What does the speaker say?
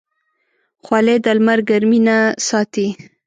خولۍ د لمر ګرمۍ نه ساتي.